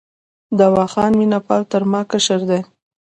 دوا خان مینه پال تر ما کشر دی.